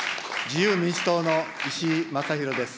自由民主党の石井正弘です。